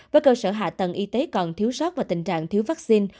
với cơ sở hạ tầng y tế còn thiếu sót và tình trạng thiếu vaccine